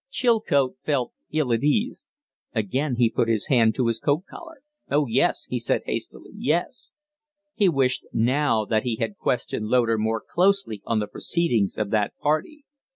Chilcote felt ill at ease. Again he put his hand to his coat collar. "Oh yes," he said, hastily "yes." He wished now that he had questioned Loder more closely on the proceedings of that party.